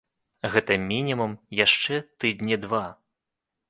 Гэта мінімум яшчэ тыдні два.